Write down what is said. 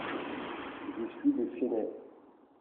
Je suis de Chennai.